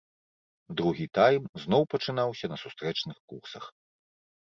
Другі тайм зноў пачынаўся на сустрэчных курсах.